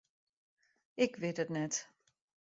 Ik wit it net.